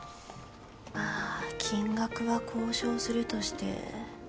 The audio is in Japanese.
まあ金額は交渉するとして。